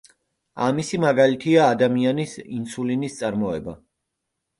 ამისი მაგალითია ადამიანის ინსულინის წარმოება.